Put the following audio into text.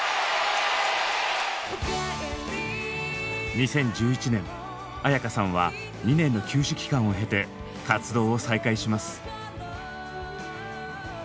２０１１年絢香さんは２年の休止期間を経て活動を再開します。